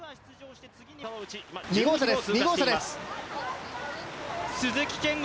２号車です。